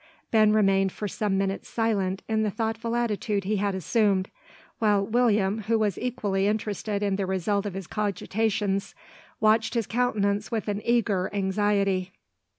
Ben remained for some minutes silent, in the thoughtful attitude he had assumed, while William, who was equally interested in the result of his cogitations, watched his countenance with an eager anxiety.